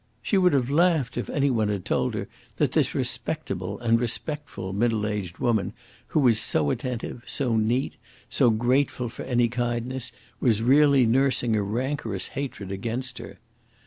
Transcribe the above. She would have laughed if any one had told her that this respectable and respectful middle aged woman, who was so attentive, so neat, so grateful for any kindness, was really nursing a rancorous hatred against her.